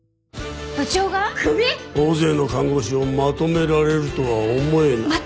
大勢の看護師をまとめられるとは思えない。